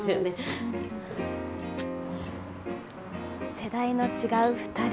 世代の違う２人。